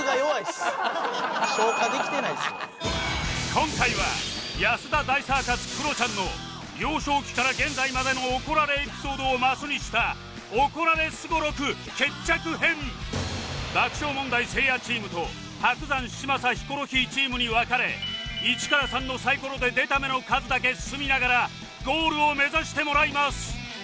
今回は安田大サーカスクロちゃんの幼少期から現在までの怒られエピソードをマスにした爆笑問題せいやチームと伯山嶋佐ヒコロヒーチームに分かれ「１」から「３」のサイコロで出た目の数だけ進みながらゴールを目指してもらいます